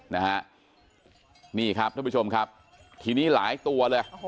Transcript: นะฮะนี่ครับท่านผู้ชมครับทีนี้หลายตัวเลย